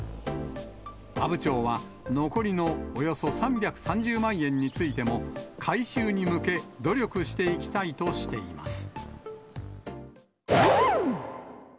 阿武町は、残りのおよそ３３０万円についても、回収に向け、努力していきたいとしています。